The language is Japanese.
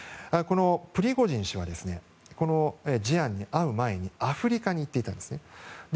プリゴジン氏はこの事案に遭う前にアフリカに行っていたんですね。